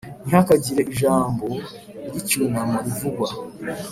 ntihakagire ijambo ry'icyunamo rivugwa.